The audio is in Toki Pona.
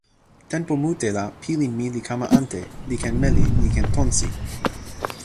tenpo mute la pilin mi li kama ante, li ken meli li ken tonsi.